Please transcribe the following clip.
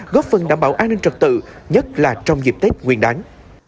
góp phần đảm bảo an ninh trật tự nhất là trong dịp tết nguyên đáng